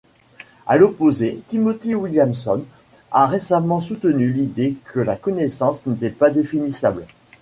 À l'opposé, Timothy Williamson a récemment soutenu l'idée que la connaissance n'était pas définissable.